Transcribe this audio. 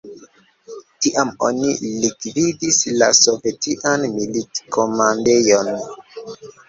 Tiam oni likvidis la sovetian milit-komandejon.